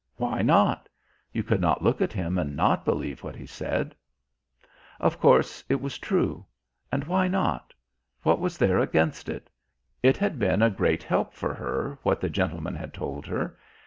Why not? You could not look at him and not believe what he said. Of course it was true. And why not? What was there against it? It had been a great help for her what the gentleman had told her...